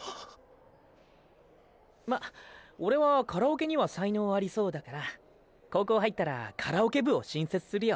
まオレはカラオケには才能ありそうだから高校入ったらカラオケ部を新設するよ。